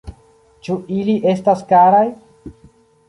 Ĉu ili estas karaj?